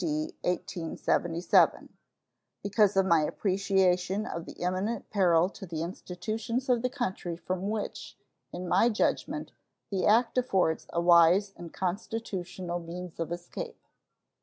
D. 1877," because of my appreciation of the imminent peril to the institutions of the country from which, in my judgment, the act affords a wise and constitutional means of escape.